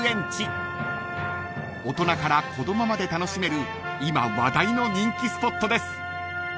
［大人から子供まで楽しめる今話題の人気スポットです］